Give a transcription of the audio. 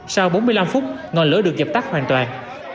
sau bốn mươi năm phút ngọn lửa được dập tắt hoàn toàn